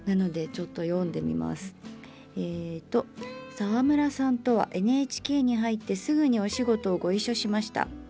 「沢村さんとはＮＨＫに入ってすぐにお仕事をご一緒しました。